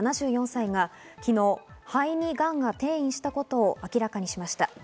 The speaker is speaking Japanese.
７４歳が昨日、肺にがんが転移したことを明らかにしました。